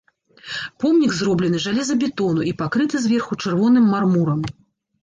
Помнік зроблены жалезабетону і пакрыты зверху чырвоным мармурам.